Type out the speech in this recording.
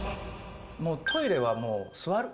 もうトイレはもう座る。